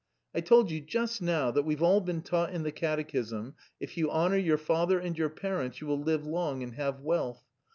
"I told you just now that we've all been taught in the Catechism if you honour your father and your parents you will live long and have wealth.